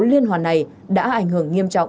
liên hoàn này đã ảnh hưởng nghiêm trọng